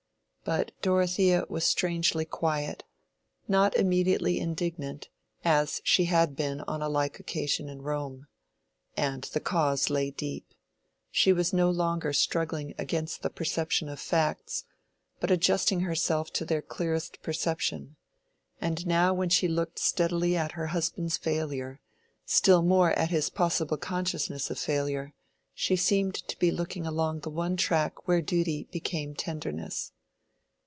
But Dorothea was strangely quiet—not immediately indignant, as she had been on a like occasion in Rome. And the cause lay deep. She was no longer struggling against the perception of facts, but adjusting herself to their clearest perception; and now when she looked steadily at her husband's failure, still more at his possible consciousness of failure, she seemed to be looking along the one track where duty became tenderness.